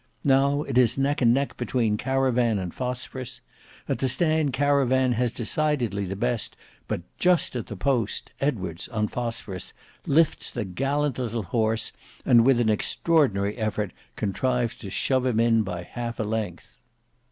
Now it is neck and neck between Caravan and Phosphorus. At the stand Caravan has decidedly the best, but just at the post, Edwards, on Phosphorus, lifts the gallant little horse, and with an extraordinary effort contrives to shove him in by half a length.